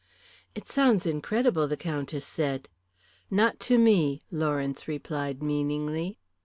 "It sounds incredible," the Countess said. "Not to me," Lawrence replied meaningly.